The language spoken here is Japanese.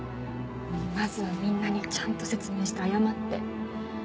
まずはみんなにちゃんと説明して謝って。